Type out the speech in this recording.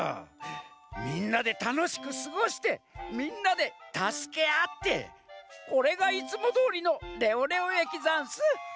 みんなでたのしくすごしてみんなでたすけあってこれがいつもどおりのレオレオえきざんす！